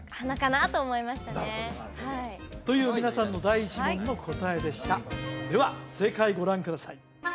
なるほどなるほどという皆さんの第１問の答えでしたでは正解ご覧ください